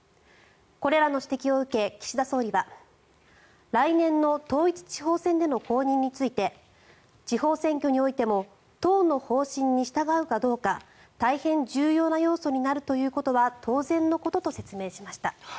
これらの指摘を受け岸田総理は来年の統一地方選での公認について地方選挙においても党の方針に従うかどうか大変重要な要素になるということは当然のことと話しました。